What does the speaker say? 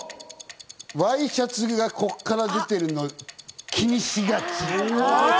ワイシャツがこっから出てるの気にしがち。